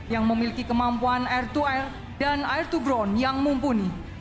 yang memiliki kemampuan air to air dan air to ground yang mumpuni